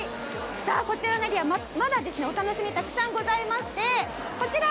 こちらのエリア、まだお楽しみたくさんございましてこちら